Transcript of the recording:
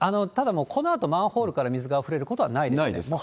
このあと、マンホールから水があふれることはないです。